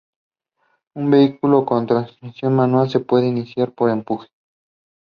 They are immigrants from Eritrea to Australia and their descendants.